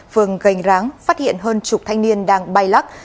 phường gành ráng phát hiện hơn chục thanh niên đang bay lắc